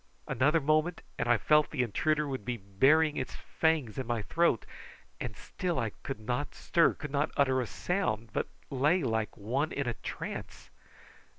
Another moment and I felt that the intruder would be burying its fangs in my throat, and still I could not stir could not utter sound, but lay like one in a trance.